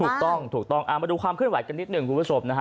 ถูกต้องถูกต้องมาดูความเคลื่อนไหวกันนิดหนึ่งคุณผู้ชมนะฮะ